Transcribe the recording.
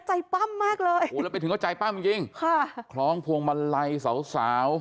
ใจปั้มมากเลยโหแล้วไปถึงว่าใจปั้มจริงค่ะคล้องพวงมาลัยสาว